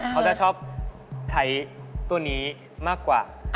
เขาจะชอบใช้ตัวนี้มากกว่า